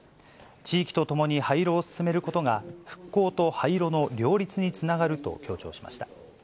地域とともに廃炉を進めることが復興と廃炉の両立につながると強調しました。